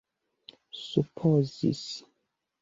supozis